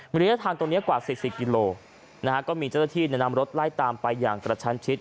ระยะทางตรงนี้กว่า๔๐กิโลนะฮะก็มีเจ้าหน้าที่นำรถไล่ตามไปอย่างกระชั้นชิด